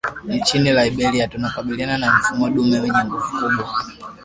Nchini Liberia tunakabiliana na mfumo dume wenye nguvu kubwa